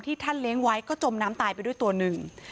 ท่านเลี้ยงไว้ก็จมน้ำตายไปด้วยตัวหนึ่ง